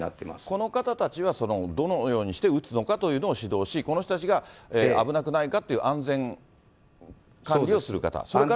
この方たちはどのようにして撃つのかというのを指導し、この人たちが危なくないかっていう、安全管理をする方、それから。